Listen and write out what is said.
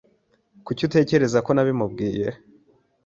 Kuki utekereza ko nabimubwiye?